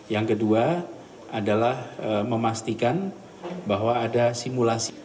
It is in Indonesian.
yang kedua adalah memastikan bahwa ada simulasi